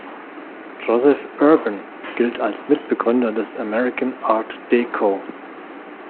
Joseph Urban gilt als Mitbegründer des "American Art Deco".